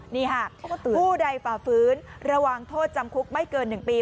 นี่ค่ะผู้ใดฝ่าฟื้นระวังโทษจำคุกไม่เกิน๑ปี